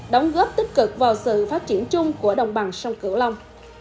đóng góp tích cực vào sự phát triển chung của đồng bằng sông cửu long